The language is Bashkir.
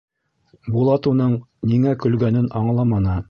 Булат уның ниңә көлгәнен аңламаны.